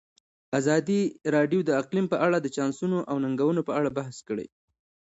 ازادي راډیو د اقلیم په اړه د چانسونو او ننګونو په اړه بحث کړی.